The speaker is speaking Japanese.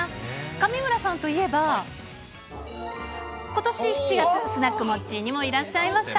上村さんといえば、ことし７月、スナックモッチーにもいらっしゃいました。